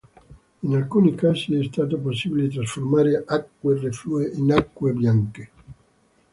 In alcuni casi è stato possibile trasformare acque reflue in acque bianche.